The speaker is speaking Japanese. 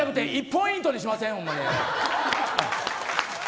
１ポイントにしません。